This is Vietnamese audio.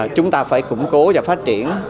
chúng ta phải củng cố và phát triển